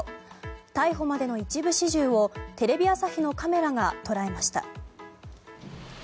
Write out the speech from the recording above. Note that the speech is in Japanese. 逮捕までの一部始終をテレビ朝日のカメラが捉えました。